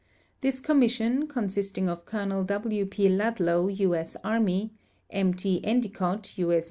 This commission, consisting of Col. \\h P. Ludlow, U. S. Arm}' ; M. T. E ndicott, U. S.